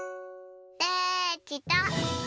できた。